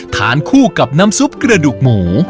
ทานคู่กับน้ำซุปกระดูกหมู